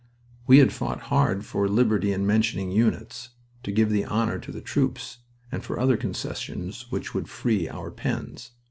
We had fought hard for liberty in mentioning units, to give the honor to the troops, and for other concessions which would free our pens.